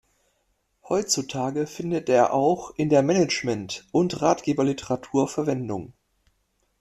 Heutzutage findet er auch in der Management- und Ratgeberliteratur Verwendung.